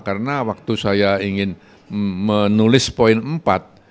karena waktu saya ingin menulis poin empat